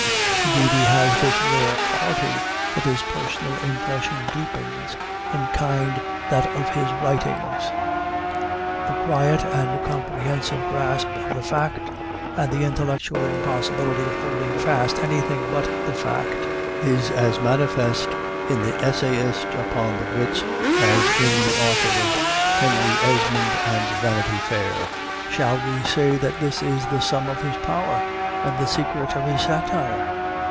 Indeed, he has this rare quality, that his personal impression deepens, in kind, that of his writings. The quiet and comprehensive grasp of the fact, and the intellectual impossibility of holding fast anything but the fact, is as manifest in the essayist upon the wits as in the author of Henry Esmond and Vanity Fair. Shall we say that this is the sum of his power, and the secret of his satire?